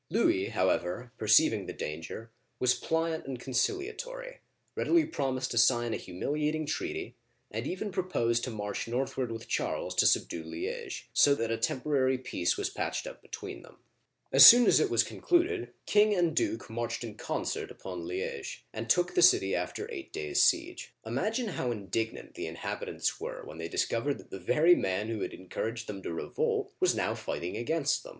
Louis, however, perceiving the danger, was pliant and conciliatory, readily promised to sign a humiliating treaty, and even proposed to march northward with Charles to subdue Li6ge ; so that a tempo rary peace was patched up between them, Digitized by VjOOQIC LOUIS XI. (1461 1483) 207 As soon as it was concluded, king and duke marched in concert upon Liege, and took the city after eight days* siege. Imagine how indignant the inhabitants were when they discovered that the very man who had encouraged them to revolt was now fighting against them